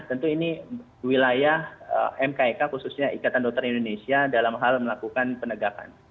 tentu ini wilayah mkek khususnya ikatan dokter indonesia dalam hal melakukan penegakan